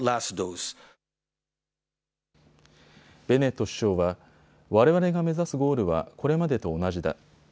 ベネット首相は、われわれが目指すゴールはこれまでと同じだ。